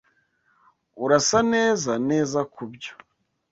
Urasa neza neza kubyo.